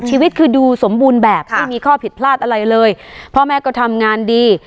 ชีวิตคือดูสมบูรณ์แบบไม่มีข้อผิดพลาดอะไรเลยพ่อแม่ก็ทำงานดี